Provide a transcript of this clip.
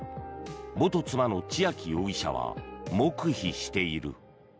元妻の千秋容疑者は黙秘している。